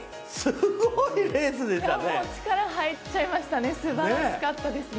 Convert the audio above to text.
すごいレースでしたね。